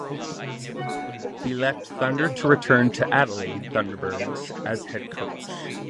He left Thunder to return to Adelaide Thunderbirds as head coach.